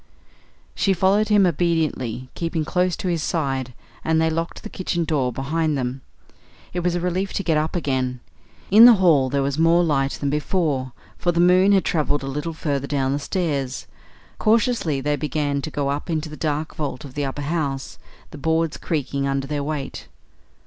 She followed him obediently, keeping close to his side, and they locked the kitchen door behind them. It was a relief to get up again. In the hall there was more light than before, for the moon had travelled a little further down the stairs. Cautiously they began to go up into the dark vault of the upper house, the boards creaking under their weight.